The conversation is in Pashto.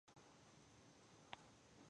دوی فلسفي حل لارې ته مخه کړه.